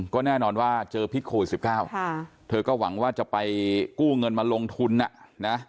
ก็แน่นอนว่าเจอพิษโควิด๑๙เธอก็หวังว่าจะไปกู้เงินมาลงทุนนะ